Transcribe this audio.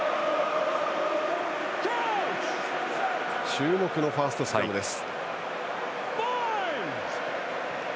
注目のファーストスクラムです。